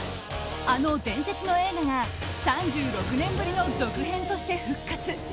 あの伝説の映画が３６年ぶりの続編として復活。